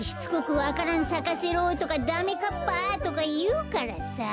「わか蘭さかせろ」とか「ダメかっぱ」とかいうからさ。